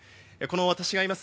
私がいます